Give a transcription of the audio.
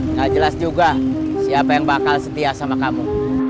nggak jelas juga siapa yang bakal setia sama kamu